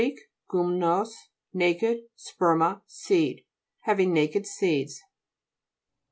gurnnos, naked, sperma, seed. Having naked seeds.